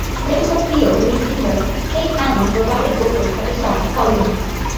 Letters to Cleo lead singer Kay Hanley provided vocals for the song "Follow Me".